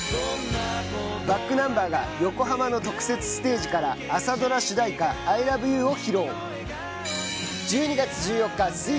ｂａｃｋｎｕｍｂｅｒが横浜の特設ステージから朝ドラ主題歌「アイラブユー」を披露。